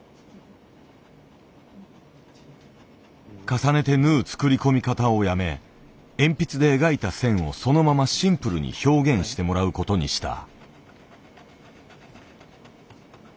重ねて縫う作り込み方をやめ鉛筆で描いた線をそのままシンプルに表現してもらう事にした。